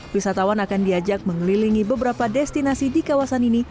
wisatawan akan diajak mengelilingi beberapa destinasi di kawasan ini